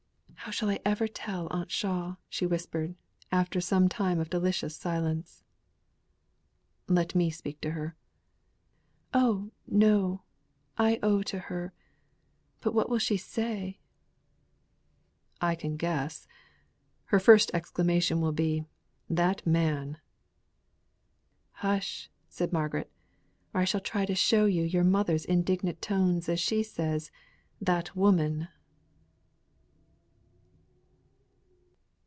"How shall I ever tell Aunt Shaw?" she whispered, after some time of delicious silence. "Let me speak to her." "Oh, no! I owe to her, but what will she say?" "I can guess. Her first exclamation will be, 'That man!'" "Hush!" said Margaret, "or I shall try and show you your mother's indignant tones as she says, 'That woman!